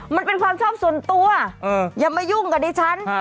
มันเป็นความชอบส่วนตัวอย่ามายุ่งกับดิฉัน